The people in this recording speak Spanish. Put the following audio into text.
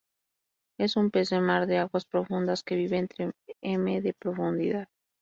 Es un pez de mar de aguas profundas que vive entre m de profundidad.